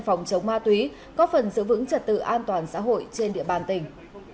phòng chống ma túy có phần giữ vững trật tự an toàn xã hội trên địa bàn tỉnh